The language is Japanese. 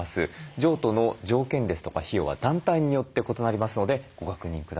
譲渡の条件ですとか費用は団体によって異なりますのでご確認ください。